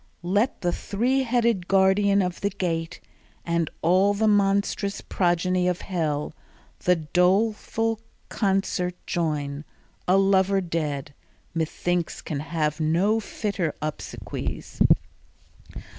Let the three headed guardian of the gate, And all the monstrous progeny of hell, The doleful concert join: a lover dead Methinks can have no fitter obsequies.